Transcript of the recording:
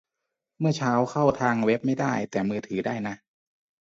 เมื่อเช้าเข้าทางเว็บไม่ได้ แต่มือถือได้นะ